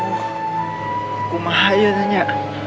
aku mah aja tanya